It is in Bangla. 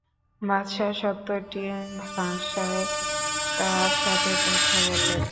বাদশাহ সত্ত্বরটি ভাষায় তাঁর সাথে কথা বলেন।